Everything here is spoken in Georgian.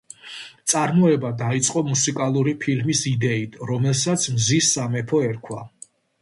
წარმოება დაიწყო მუსიკალური ფილმის იდეით, რომელსაც „მზის სამეფო“ ერქვა.